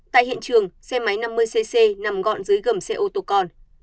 tại hiện trường xe máy năm mươi cc nằm gọn dưới gầm xe ô tô con